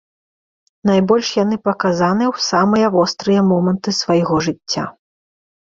Найбольш яны паказаны ў самыя вострыя моманты свайго жыцця.